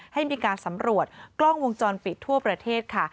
ให้มีการสำรวจกล้องวงจรปิดทั่วประเทศค่ะ